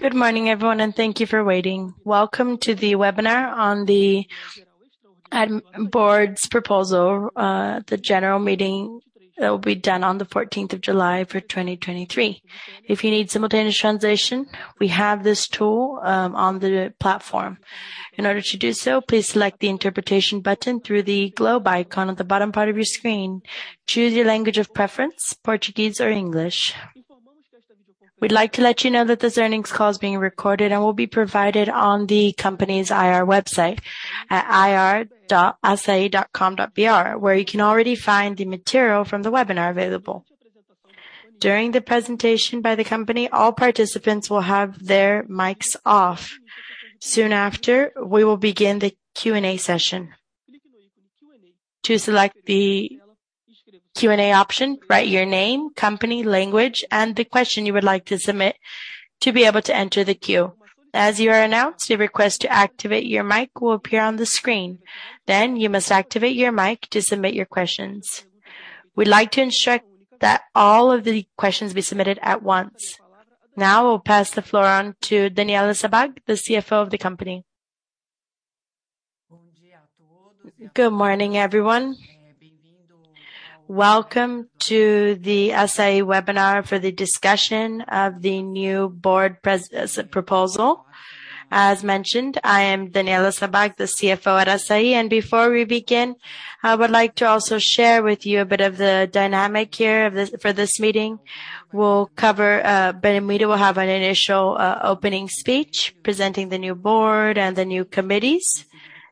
Good morning everyone and thank you for waiting. Welcome to the webinar on the Board's proposal, the general meeting that will be done on the 14th of July for 2023. If you need simultaneous translation, we have this tool on the platform. In order to do so please select the interpretation button through the globe icon at the bottom part of your screen. Choose your language of preference Portuguese or English. We'd like to let you know that this earnings call is being recorded and will be provided on the company's IR website at ri.assai.com.br, where you can already find the material from the webinar available. During the presentation by the company, all participants will have their mics off. Soon after we will begin the Q&A session. To select the Q&A option, write your name, company, language, and the question you would like to submit to be able to enter the queue. As you are announced, your request to activate your mic will appear on the screen. You must activate your mic to submit your questions. We'd like to instruct that all of the questions be submitted at once. I will pass the floor on to Daniela Sabbag, the CFO of the company. Good morning, everyone. Welcome to the Assaí webinar for the discussion of the new board proposal. As mentioned, I am Daniela Sabbag, the CFO at Assaí, before we begin, I would like to also share with you a bit of the dynamic here for this meeting. We'll cover Belmiro will have an initial opening speech presenting the new board and the new committees.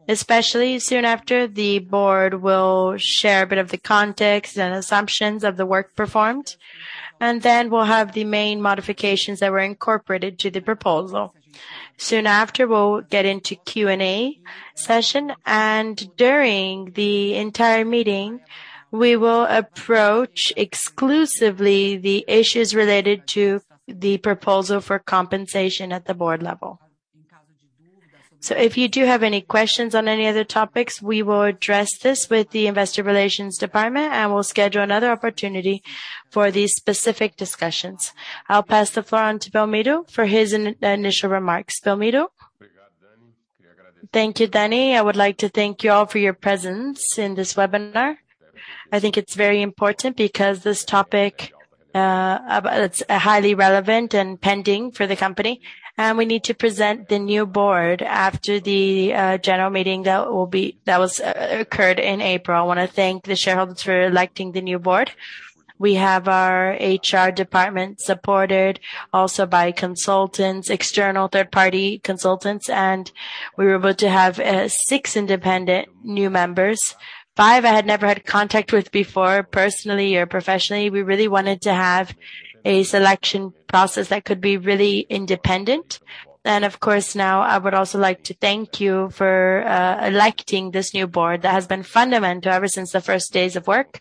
Especially soon after, the board will share a bit of the context and assumptions of the work performed. Then we'll have the main modifications that were incorporated to the proposal. Soon after, we'll get into Q&A session. During the entire meeting, we will approach exclusively the issues related to the proposal for compensation at the board level. If you do have any questions on any other topics, we will address this with the investor relations department. We'll schedule another opportunity for these specific discussions. I'll pass the floor on to Belmiro for his initial remarks. Belmiro? Thank you Danny. I would like to thank you all for your presence in this webinar. I think it's very important because this topic, it's highly relevant and pending for the company. We need to present the new board after the general meeting that was occurred in April. I wanna thank the shareholders for electing the new board. We have our HR department supported also by consultants external third-party consultants. We were able to have six independent new members. Five I had never had contact with before, personally or professionally. We really wanted to have a selection process that could be really independent. Of course, now, I would also like to thank you for electing this new board. That has been fundamental ever since the first days of work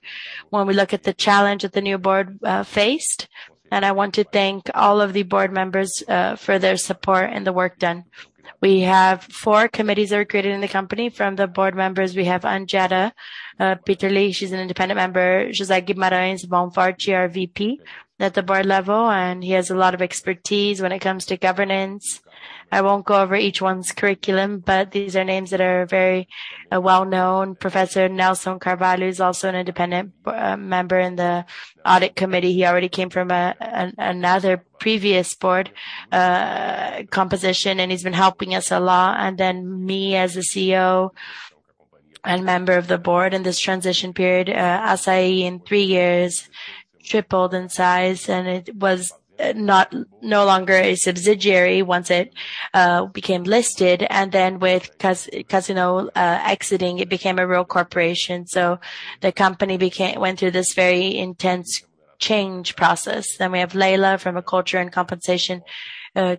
when we look at the challenge that the new board faced. I want to thank all of the board members for their support and the work done. We have four committees that are created in the company. From the Board Members, we have Andiara Pedroso Petterle, Leila Abraham Loria, she's an independent member. José Guimarães Monforte, Vice Chairman at the Board Level. He has a lot of expertise when it comes to governance. I won't go over each one's curriculum. These are names that are very well-known. Professor Nelson Carvalho is also an independent member in the Audit Committee. He already came from a another previous board composition. He's been helping us a lot. Me as the CEO and member of the board in this transition period, Assaí in three years, tripled in size, and it was no longer a subsidiary once it became listed. With Casino exiting, it became a real corporation. The company went through this very intense change process. We have Leila from a Culture and Compensation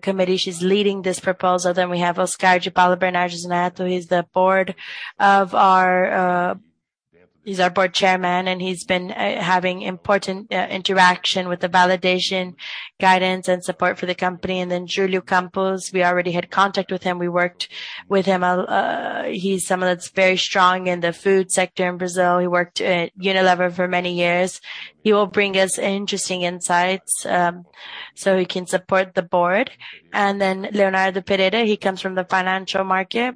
Committee. She's leading this proposal. We have Oscar de Paula Bernardes Neto. He's our Board Chairman, and he's been having important interaction with the validation, guidance, and support for the company. Julio Campos, we already had contact with him. We worked with him. He's someone that's very strong in the food sector in Brazil. He worked at Unilever for many years. He will bring us interesting insights, he can support the board. Leonardo Pereira, he comes from the Financial Market.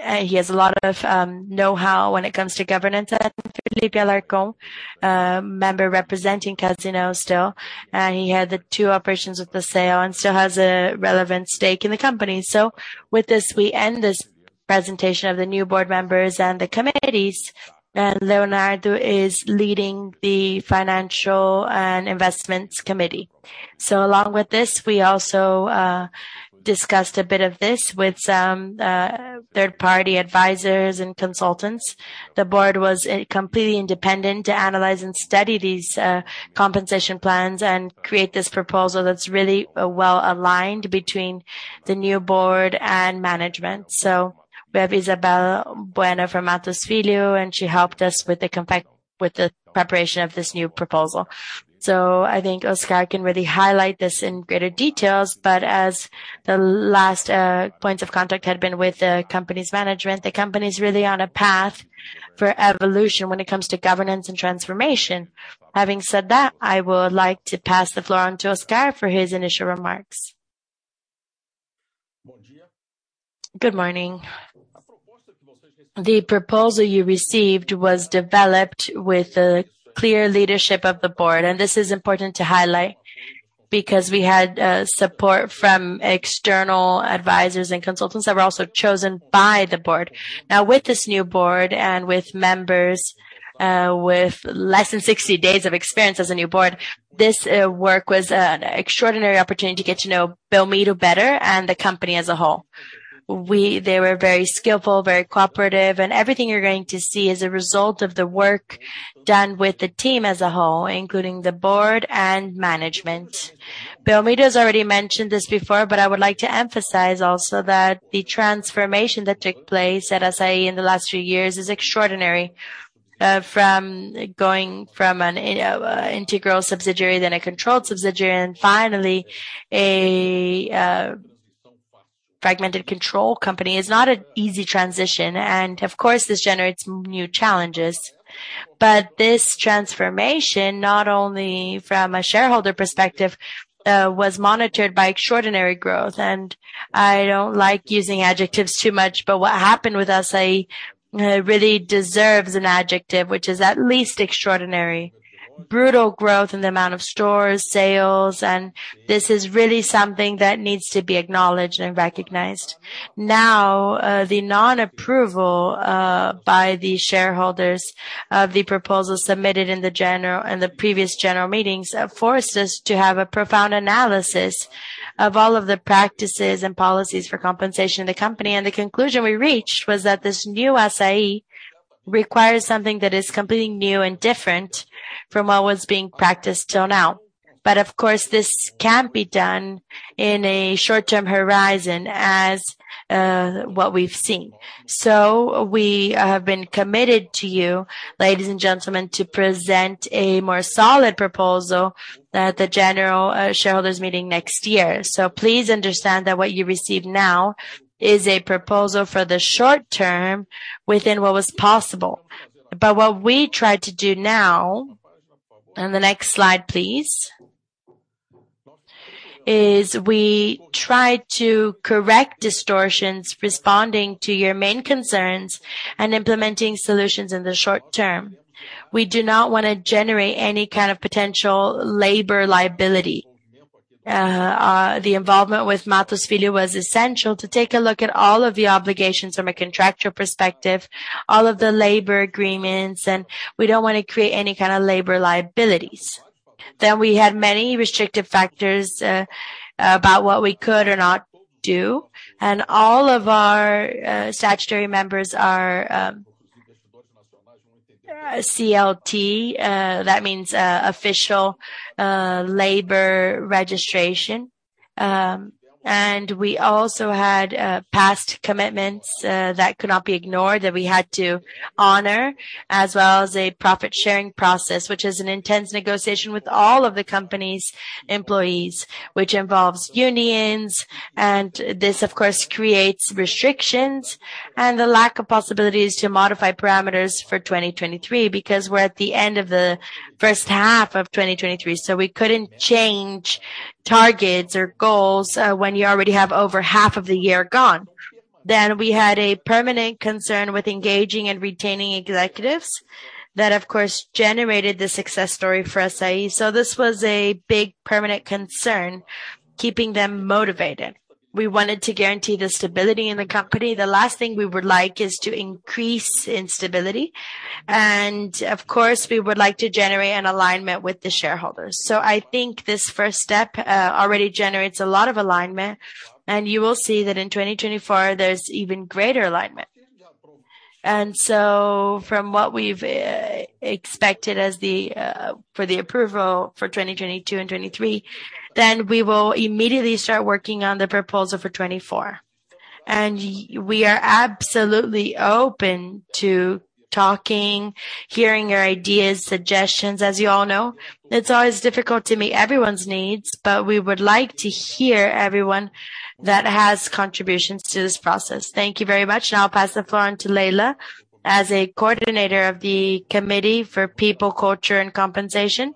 He has a lot of know-how when it comes to governance. Felipe Alarcón, a member representing Casino still, and he had the two operations with the sale and still has a relevant stake in the company. With this, we end this presentation of the new board members and the committees, and Leonardo is leading the Financial and Investments Committee. Along with this, we also discussed a bit of this with some third-party advisors and consultants. The board was completely independent to analyze and study these compensation plans and create this proposal that's really well-aligned between the new board and management. We have Isabel Bueno from Mattos Filho, and she helped us with the preparation of this new proposal. I think Oscar can really highlight this in greater details, but as the last points of contact had been with the company's management, the company is really on a path for evolution when it comes to governance and transformation. Having said that, I would like to pass the floor on to Oscar for his initial remarks. Good morning. The proposal you received was developed with the clear leadership of the board, and this is important to highlight because we had support from external advisors and consultants that were also chosen by the board. With this new board and with members, with less than 60 days of experience as a new board, this work was an extraordinary opportunity to get to know Belmiro better and the company as a whole. They were very skillful, very cooperative, and everything you're going to see is a result of the work done with the team as a whole, including the board and management. Belmiro has already mentioned this before, but I would like to emphasize also that the transformation that took place at Assaí in the last few years is extraordinary. From going from an integral subsidiary, then a controlled subsidiary, and finally, a fragmented control company, is not an easy transition, and of course, this generates new challenges. This transformation, not only from a shareholder perspective, was monitored by extraordinary growth, and I don't like using adjectives too much, but what happened with Assaí really deserves an adjective, which is at least extraordinary. Brutal growth in the amount of stores, sales, and this is really something that needs to be acknowledged and recognized. Now the non-approval by the shareholders of the proposal submitted in the previous general meetings forced us to have a profound analysis of all of the practices and policies for compensation in the company. The conclusion we reached was that this new Assaí requires something that is completely new and different from what was being practiced till now. Of course, this can't be done in a short-term horizon as what we've seen. We have been committed to you, ladies and gentlemen, to present a more solid proposal at the general shareholders meeting next year. Please understand that what you receive now is a proposal for the short term within what was possible. What we tried to do now, and the next slide, please, is we tried to correct distortions, responding to your main concerns and implementing solutions in the short term. We do not want to generate any kind of potential labor liability. The involvement with Mattos Filho was essential to take a look at all of the obligations from a contractual perspective, all of the labor agreements and we don't want to create any kind of labor liabilities. We had many restrictive factors about what we could or not do and all of our statutory members are CLT that means official labor registration. We also had past commitments that could not be ignored that we had to honor, as well as a profit-sharing proces which is an intense negotiation with all of the company's employees, which involves unions, and this, of course, creates restrictions and the lack of possibilities to modify parameters for 2023 because we're at the end of the H1 of 2023, so we couldn't change targets or goals when you already have over half of the year gone. We had a permanent concern with engaging and retaining executives. That, of course, generated the success story for Assaí. This was a big permanent concern keeping them motivated. We wanted to guarantee the stability in the company. The last thing we would like is to increase instability and of course, we would like to generate an alignment with the shareholders. I think this first step, already generates a lot of alignment, and you will see that in 2024 there's even greater alignment. From what we've expected as the for the approval for 2022 and 2023, then we will immediately start working on the proposal for 2024. We are absolutely open to talking, hearing your ideas, suggestions. As you all know, it's always difficult to meet everyone's needs but we would like to hear everyone that has contributions to this process. Thank you very much. Now I'll pass the floor on to Leila as a coordinator of the Committee for People, Culture, and Compensation,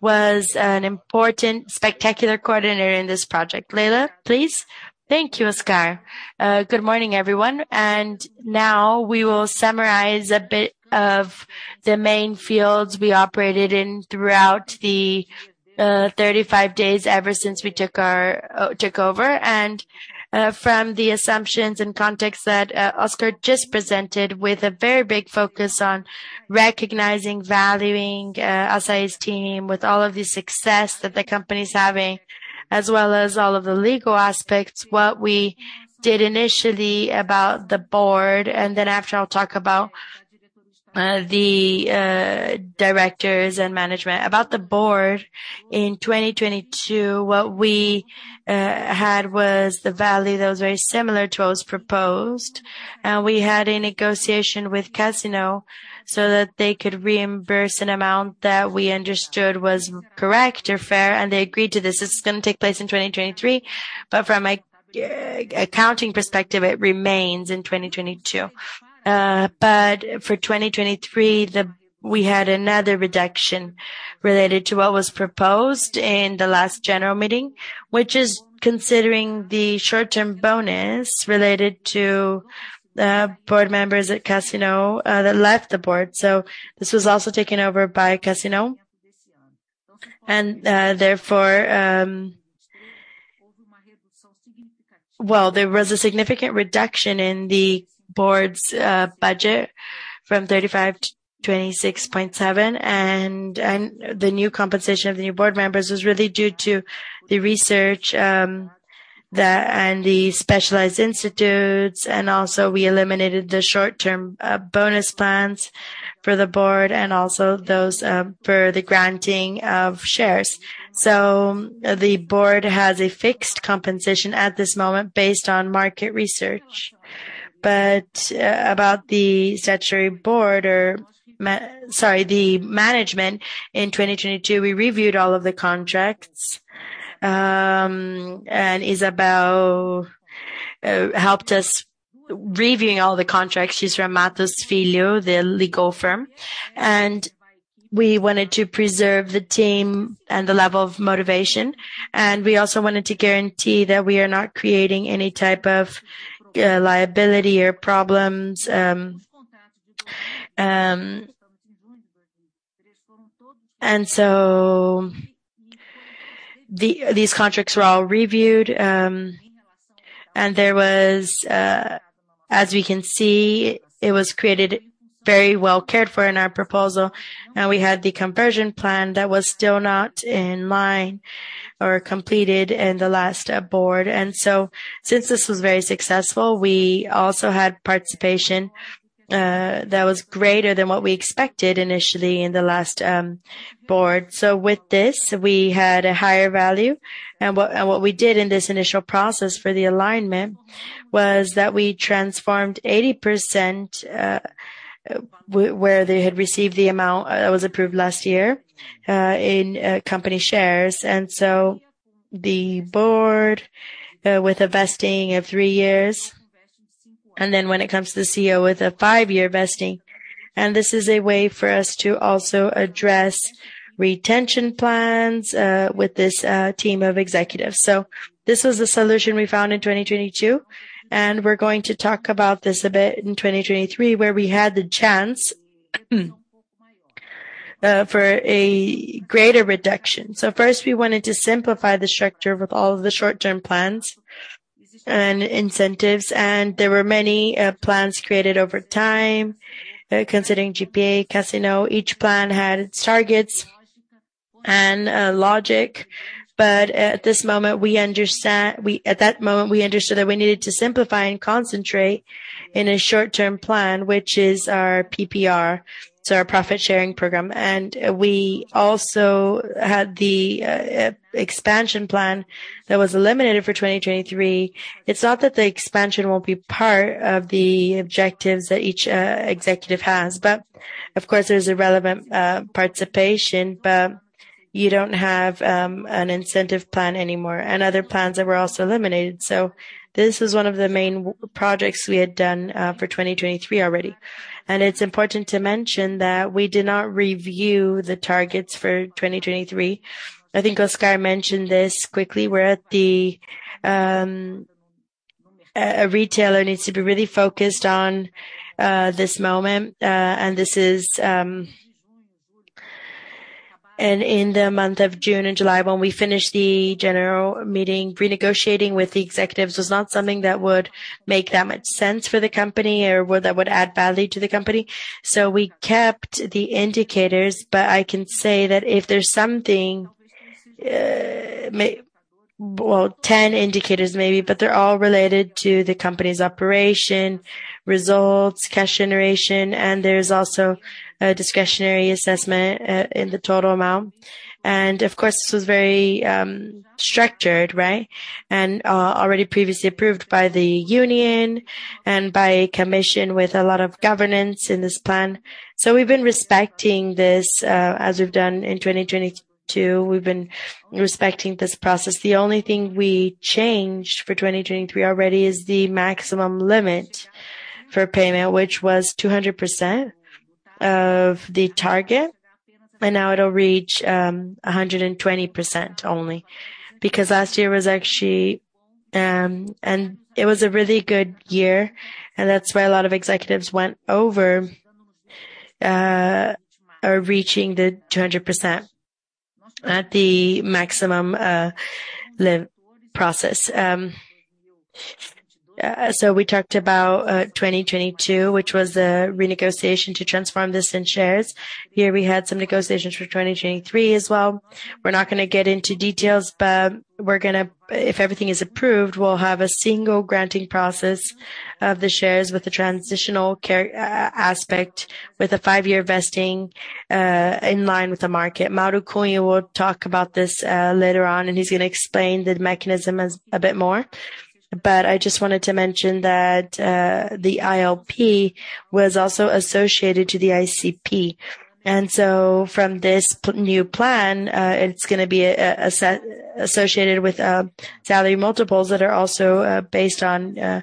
was an important spectacular coordinator in this project. Leila, please. Thank you Oscar. Good morning everyone. Now we will summarize a bit of the main fields we operated in throughout the 35 days ever since we took over, and from the assumptions and context that Oscar just presented, with a very big focus on recognizing, valuing, Assaí's team, with all of the success that the company is having as well as all of the legal aspects, what we did initially about the board, and then after, I'll talk about the directors and management. About the Board in 2022, what we had was the value that was very similar to what was proposed. We had a negotiation with Casino so that they could reimburse an amount that we understood was correct or fair and they agreed to this. This is going to take place in 2023 but from an accounting perspective it remains in 2022. For 2023, we had another reduction related to what was proposed in the last general meeting which is considering the short-term bonus related to the board members at Casino that left the board. This was also taken over by Casino. Therefore, well there was a significant reduction in the Board's budget from 35-26.7 and the new compensation of the new board members was really due to the research and the specialized institutes. We eliminated the short-term bonus plans for the board and also those for the granting of shares. The board has a fixed compensation at this moment based on market research. About the statutory board or sorry the management in 2022, we reviewed all of the contracts and Isabel helped us reviewing all the contracts. She's from Mattos Filho the legal firm. We wanted to preserve the team and the level of motivation. We also wanted to guarantee that we are not creating any type of liability or problems. These contracts were all reviewed and there was as we can see, it was created very well cared for in our proposal and we had the conversion plan that was still not in line or completed in the last Board. Since this was very successful we also had participation that was greater than what we expected initially in the last Board. With this, we had a higher value, and what we did in this initial process for the alignment was that we transformed 80% where they had received the amount that was approved last year in company shares, the board with a vesting of three years, and then when it comes to the CEO, with a five-year vesting. This is a way for us to also address retention plans with this team of executives. This was the solution we found in 2022 and we're going to talk about this a bit in 2023 where we had the chance for a greater reduction. First, we wanted to simplify the structure with all of the short-term plans and incentives, and there were many plans created over time considering GPA, Casino. Each plan had its targets and logic, but at this moment we understand. At that moment, we understood that we needed to simplify and concentrate in a short-term plan which is our PPR, so our profit-sharing program. We also had the expansion plan that was eliminated for 2023. It's not that the expansion won't be part of the objectives that each executive has but of course there's a relevant participation, but you don't have an incentive plan anymore and other plans that were also eliminated. This is one of the main projects we had done for 2023 already. It's important to mention that we did not review the targets for 2023. I think Oscar mentioned this quickly. A retailer needs to be really focused on this moment, and this is. In the month of June and July, when we finished the general meeting, renegotiating with the executives was not something that would make that much sense for the company or that would add value to the company. We kept the indicators but I can say that if there's something, well 10 indicators maybe but they're all related to the company's operation, results, cash generation, and there's also a discretionary assessment in the total amount. Of course, this was very structured, right? Already previously approved by the union and by commission with a lot of governance in this plan. We've been respecting this as we've done in 2022. We've been respecting this process. The only thing we changed for 2023 already is the maximum limit for payment which was 200% of the target and now it'll reach 120% only. Last year was actually and it was a really good year, and that's why a lot of executives went over, or reaching the 200% at the maximum process. We talked about 2022, which was a renegotiation to transform this in shares. Here we had some negotiations for 2023 as well. We're not gonna get into details, but we're gonna if everything is approved, we'll have a single granting process of the shares with the transitional care aspect, with a five-year vesting in line with the market. Mauro Cunha will talk about this later on, and he's gonna explain the mechanism as a bit more. I just wanted to mention that the ILP was also associated to the ICP. From this new plan, it's gonna be associated with salary multiples that are also based on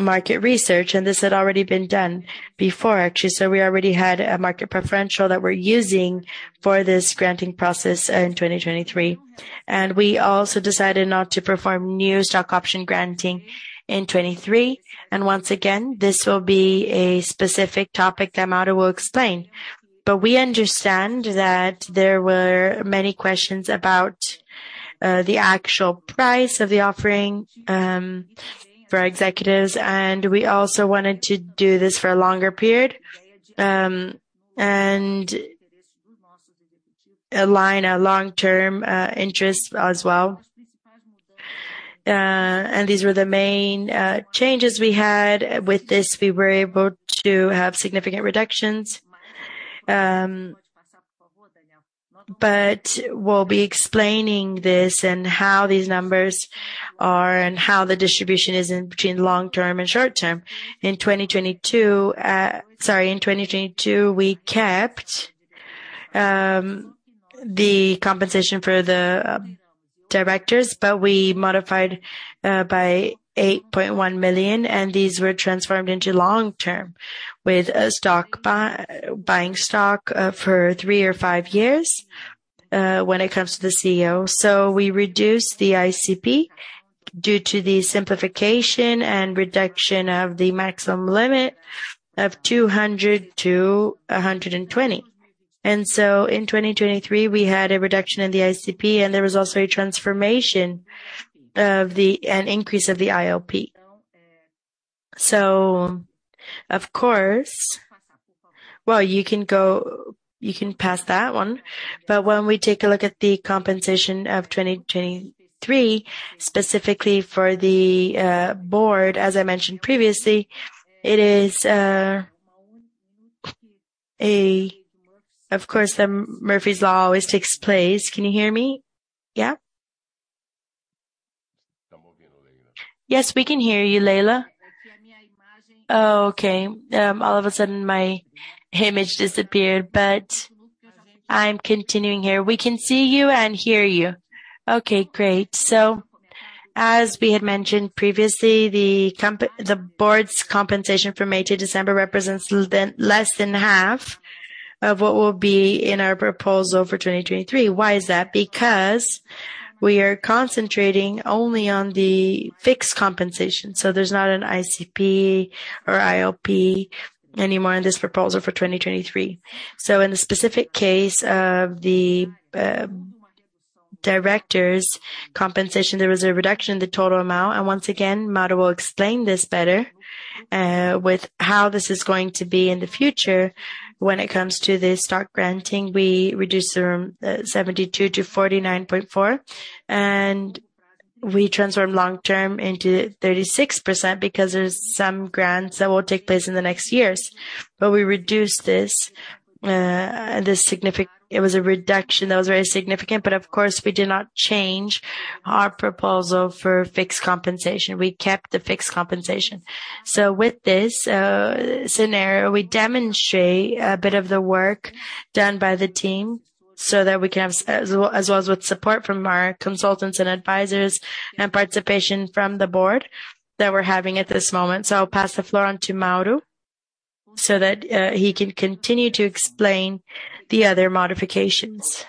market research, and this had already been done before, actually. We already had a market preferential that we're using for this granting process in 2023. We also decided not to perform new stock option granting in 2023, and once again, this will be a specific topic that Mauro will explain. We understand that there were many questions about the actual price of the offering for our executives, and we also wanted to do this for a longer period, and align our long-term interest as well. These were the main changes we had. With this, we were able to have significant reductions, we'll be explaining this and how these numbers are and how the distribution is in between long term and short term. In 2022 sorry in 2022 we kept the compensation for the directors, we modified by 8.1 million, and these were transformed into long term with a buying stock for three or five years, when it comes to the CEO. We reduced the ICP due to the simplification and reduction of the maximum limit of 200-120. In 2023 we had a reduction in the ICP, and there was also a transformation of the. An increase of the ILP. Of course. Well you can go you can pass that one. When we take a look at the compensation of 2023, specifically for the board, as I mentioned previously it is of course Murphy's Law always takes place. Can you hear me? Yeah? Yes we can hear you Leila. Okay. All of a sudden, my image disappeared but I'm continuing here. We can see you and hear you. Okay, great. As we had mentioned previously, the board's compensation from May-December represents less than half of what will be in our proposal for 2023. Why is that? We are concentrating only on the fixed compensation, so there's not an ICP or ILP anymore in this proposal for 2023. In the specific case of the director's compensation, there was a reduction in the total amount. Once again, Mauro will explain this better, with how this is going to be in the future. When it comes to the stock granting, we reduced from 72%-49.4% and we transformed long term into 36% because there's some grants that will take place in the next years. We reduced this. It was a reduction that was very significant, but of course, we did not change our proposal for fixed compensation. We kept the fixed compensation. With this scenario, we demonstrate a bit of the work done by the team so that we can have as well as with support from our consultants and advisors and participation from the Board that we're having at this moment. I'll pass the floor on to Mauro so that he can continue to explain the other modifications.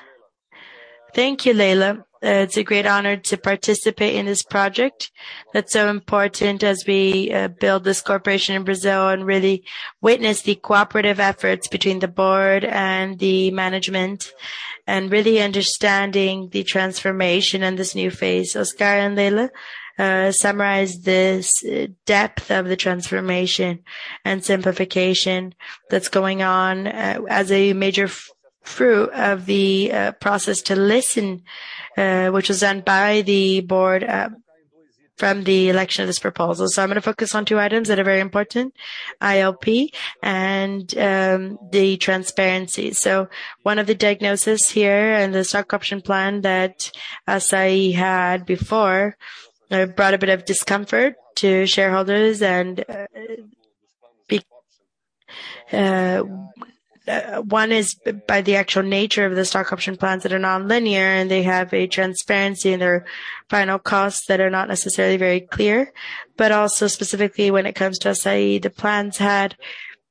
Thank you, Leila. It's a great honor to participate in this project that's so important as we build this corporation in Brazil and really witness the cooperative efforts between the board and the management, and really understanding the transformation and this new phase. Oscar and Leila summarized this depth of the transformation and simplification that's going on as a major fruit of the process to listen, which was done by the board from the election of this proposal. I'm gonna focus on two items that are very important, ILP and the transparency. One of the diagnosis here, and the stock option plan that, as I had before, brought a bit of discomfort to shareholders, and one is by the actual nature of the stock option plans that are nonlinear, and they have a transparency in their final costs that are not necessarily very clear, but also specifically when it comes to Assaí, the plans had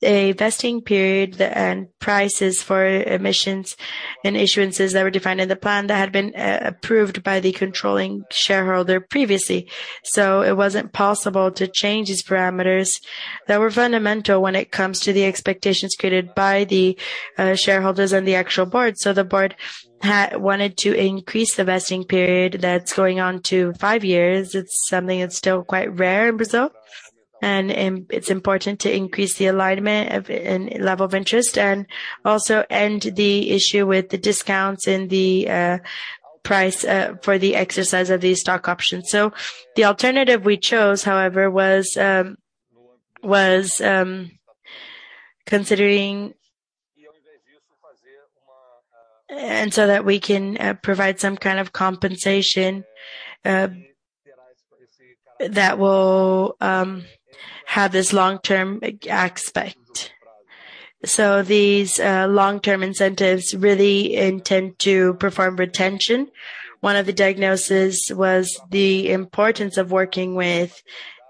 a vesting period and prices for emissions and issuances that were defined in the plan that had been approved by the controlling shareholder previously. It wasn't possible to change these parameters that were fundamental when it comes to the expectations created by the shareholders and the actual board. The board wanted to increase the vesting period that's going on to five years. It's something that's still quite rare in Brazil, and it's important to increase the alignment of and level of interest and also end the issue with the discounts and the price for the exercise of these stock options. The alternative we chose, however, was considering, and so that we can provide some kind of compensation that will have this long-term aspect. These long-term incentives really intend to perform retention. One of the diagnosis was the importance of working with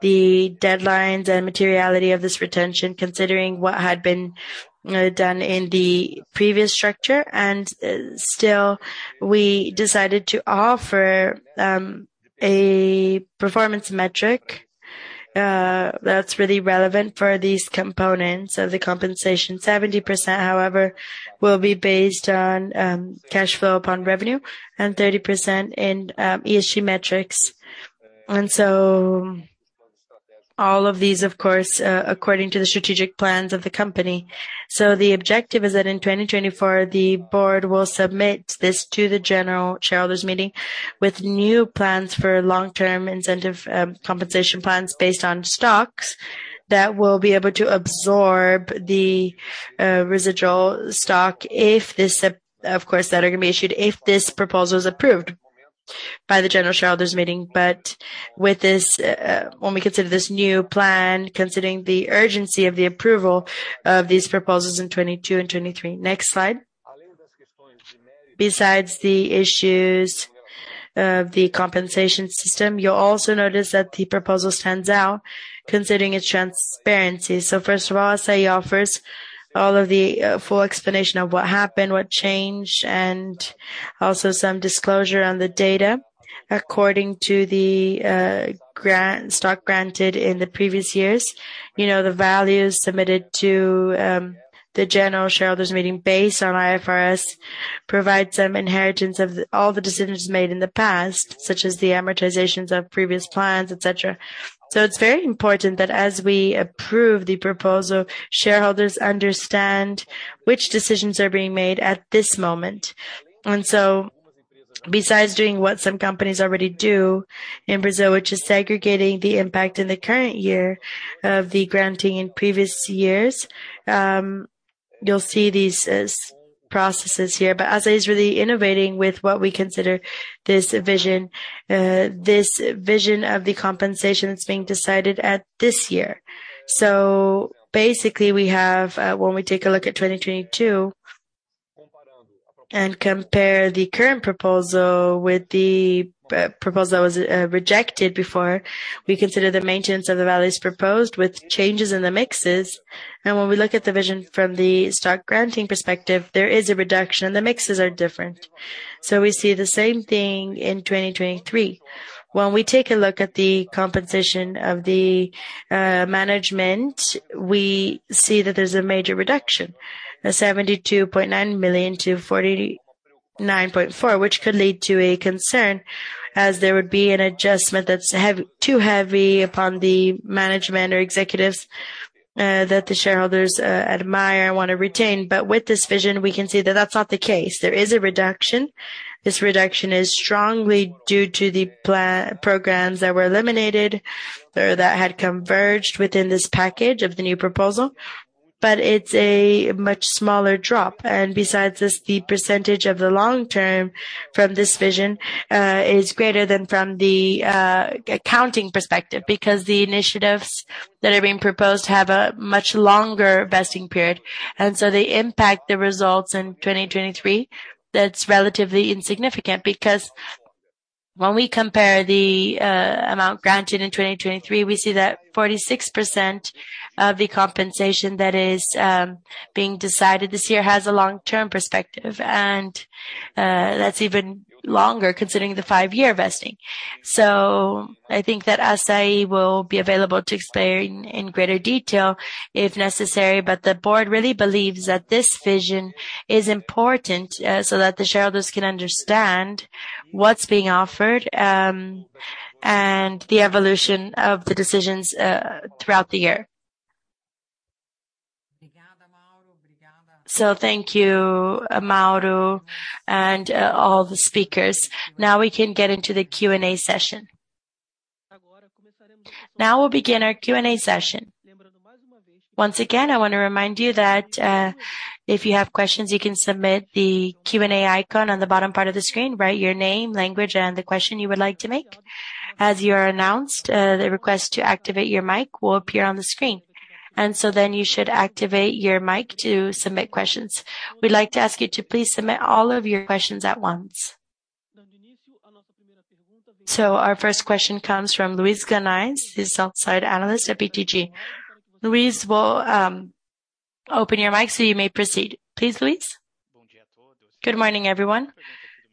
the deadlines and materiality of this retention, considering what had been done in the previous structure. Still we decided to offer a performance metric that's really relevant for these components of the compensation. 70% however will be based on cash flow upon revenue, and 30% in ESG metrics. All of these of course according to the strategic plans of the company. The objective is that in 2024, the board will submit this to the general shareholders meeting, with new plans for long-term incentive, compensation plans based on stocks, that will be able to absorb the residual stock if this, of course, that are gonna be issued, if this proposal is approved by the general shareholders meeting. With this, when we consider this new plan, considering the urgency of the approval of these proposals in 2022 and 2023. Next slide. Besides the issues of the compensation system, you'll also notice that the proposal stands out considering its transparency. First of all, S.A. offers all of the full explanation of what happened, what changed, and also some disclosure on the data. According to the grant, stock granted in the previous years you know the values submitted to the general shareholders meeting based on IFRS, provide some inheritance of all the decisions made in the past such as the amortizations of previous plans, et cetera. It's very important that as we approve the proposal, shareholders understand which decisions are being made at this moment. Besides doing what some companies already do in Brazil, which is segregating the impact in the current year of the granting in previous years, you'll see these as processes here. Assaí is really innovating with what we consider this vision of the compensation that's being decided at this year. Basically we have when we take a look at 2022 and compare the current proposal with the proposal that was rejected before we consider the maintenance of the values proposed with changes in the mixes. When we look at the vision from the stock granting perspective there is a reduction the mixes are different. We see the same thing in 2023. When we take a look at the compensation of the management, we see that there's a major reduction, 72.9 million to 49.4 million, which could lead to a concern as there would be an adjustment that's too heavy upon the management or executives that the shareholders admire and wanna retain. With this vision we can see that that's not the case. There is a reduction. This reduction is strongly due to the programs that were eliminated or that had converged within this package of the new proposal. It's a much smaller drop. Besides this the percentage of the long term from this vision is greater than from the accounting perspective, because the initiatives that are being proposed have a much longer vesting period. They impact the results in 2023. That's relatively insignificant because when we compare the amount granted in 2023, we see that 46% of the compensation that is being decided this year has a long-term perspective. That's even longer considering the five-year vesting. I think that Assaí will be available to explain in greater detail if necessary but the board really believes that this vision is important so that the shareholders can understand what's being offered and the evolution of the decisions, throughout the year. Thank you Mauro and all the speakers. We can get into the Q&A session. We'll begin our Q&A session. Once again, I wanna remind you that if you have questions you can submit the Q&A icon on the bottom part of the screen write your name, language, and the question you would like to make. As you are announced, the request to activate your mic will appear on the screen and so then you should activate your mic to submit questions. We'd like to ask you to please submit all of your questions at once. Our first question comes from Luiz Guanais. He's an outside analyst at BTG. Luiz well open your mic so you may proceed. Please Luiz. Good morning everyone.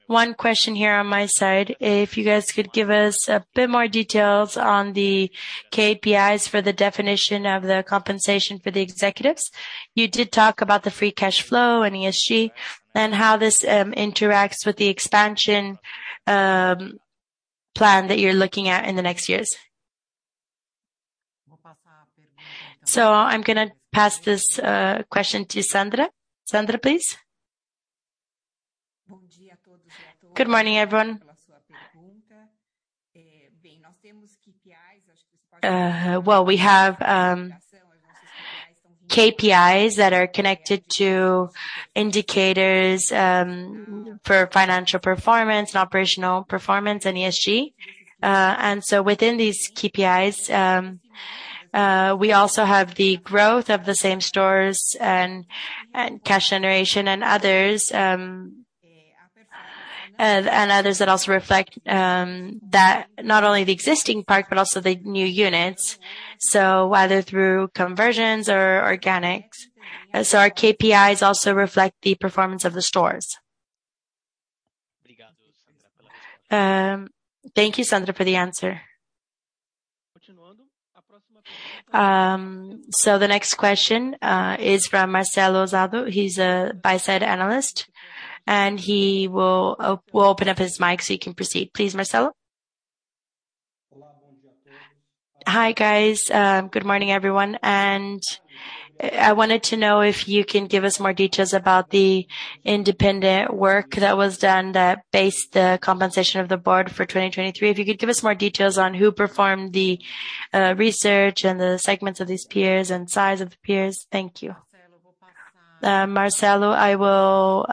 One question here on my side. If you guys could give us a bit more details on the KPIs for the definition of the compensation for the executives? You did talk about the free cash flow and ESG and how this interacts with the expansion plan that you're looking at in the next years? I'm gonna pass this question to Sandra. Sandra please. Good morning, everyone. Well, we have KPIs that are connected to indicators for financial performance and operational performance and ESG. Within these KPIs we also have the growth of the same stores and cash generation and others, and others that also reflect that not only the existing part but also the new units so whether through conversions or organics. Our KPIs also reflect the performance of the stores. Thank you Sandra for the answer. The next question is from Marcelo Zado. He's a buy-side analyst and he will open up his mic so you can proceed. Please Marcelo. Hi guys. Good morning, everyone. I wanted to know if you can give us more details about the independent work that was done that based the compensation of the board for 2023? If you could give us more details on who performed the research and the segments of these peers and size of the peers? Thank you. Marcelo. I will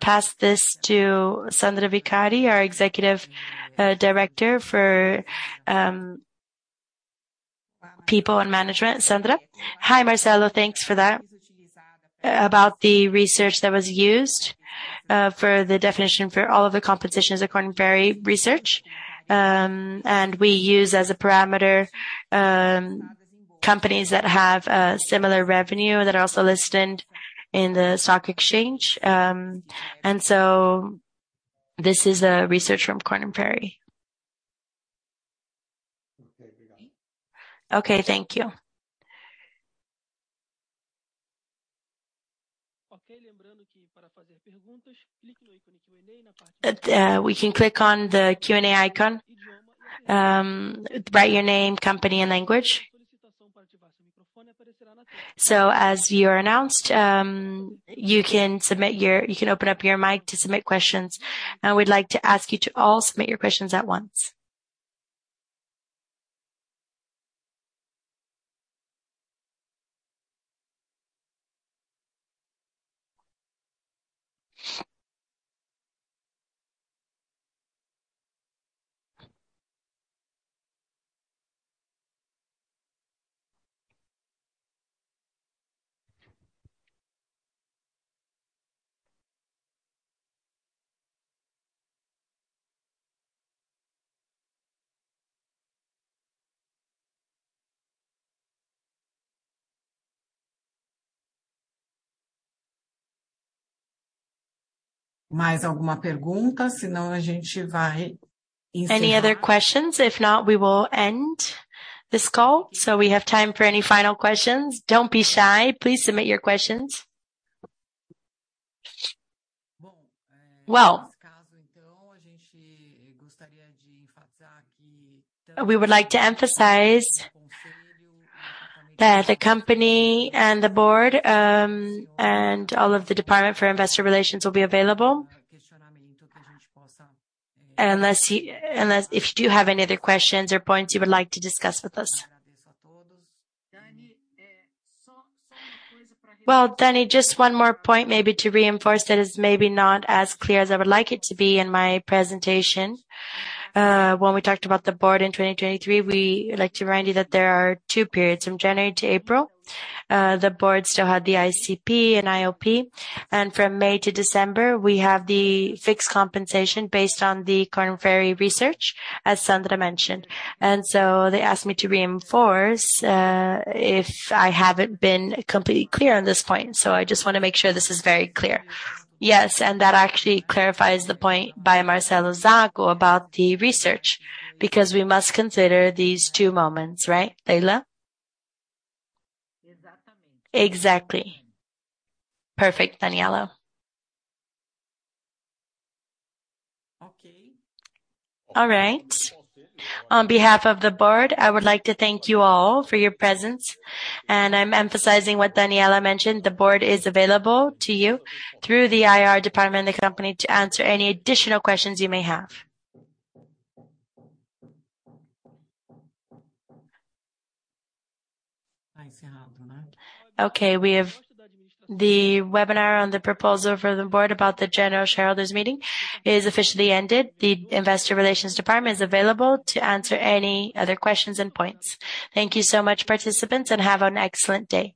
pass this to Sandra Vicari, our Executive Director for People and Management. Sandra? Hi Marcelo. Thanks for that. About the research that was used for the definition for all of the competitions according to Korn Perry Research. We use as a parameter companies that have similar revenue that are also listed in the stock exchange. This is a research from Korn Ferry. Okay thank you. We can click on the Q&A icon. Write your name, company, and language. As you are announced, you can open up your mic to submit questions. I would like to ask you to all submit your questions at once. Any other questions? If not we will end this call so we have time for any final questions. Don't be shy. Please submit your questions. Well, we would like to emphasize that the Company and the Board, and all of the Department for Investor Relations will be available. If you do have any other questions or points you would like to discuss with us. Well Danny just one more point, maybe to reinforce that is maybe not as clear as I would like it to be in my presentation. When we talked about the board in 2023, we like to remind you that there are two periods: from January-April the Board still had the ICP and IOP and from May-December we have the fixed compensation based on the Korn Ferry research, as Sandra mentioned. They asked me to reinforce, if I haven't been completely clear on this point. I just want to make sure this is very clear. Yes that actually clarifies the point by Marcelo Zado about the research because we must consider these two moments right, Leila? Exactly. Perfect Daniela. Okay. All right. On behalf of the Board, I would like to thank you all for your presence and I'm emphasizing what Daniella mentioned the Board is available to you through the IR department and the company to answer any additional questions you may have. Okay we have the webinar on the proposal for the board about the general shareholders meeting is officially ended. The investor relations department is available to answer any other questions and points. Thank you so much participants, and have an excellent day.